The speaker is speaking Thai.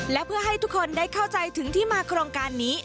และเพื่อให้ทุกคนได้เข้าใจถึงที่มาโครงการนี้